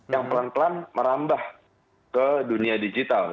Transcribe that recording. yang pelan pelan merambah ke dunia digital